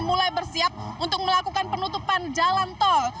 mulai bersiap untuk melakukan penutupan jalan tol